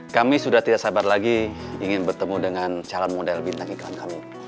kami sudah tidak sabar lagi ingin bertemu dengan calon model bintang iklan kami